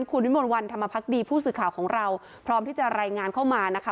คุณวิมลวันธรรมพักดีผู้สื่อข่าวของเราพร้อมที่จะรายงานเข้ามานะคะ